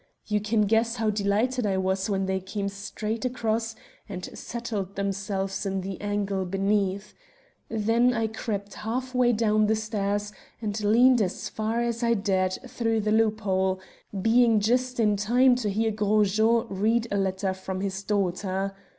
You can guess how delighted I was when they came straight across and settled themselves in the angle beneath. Then I crept halfway down the stairs and leaned as far as I dared through the loophole, being just in time to hear Gros Jean read a letter from his daughter.